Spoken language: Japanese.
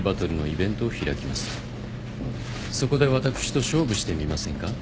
そこで私と勝負してみませんか？